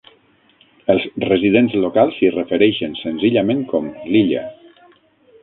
Els residents locals s'hi refereixen senzillament com l'Illa.